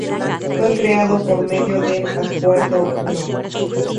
Fue creado por medio del acuerdo No.